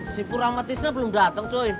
si pur sama tisna belum dateng cuy